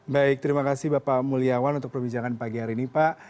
baik terima kasih bapak muliawan untuk perbincangan pagi hari ini pak